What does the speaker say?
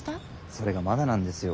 それがまだなんですよ。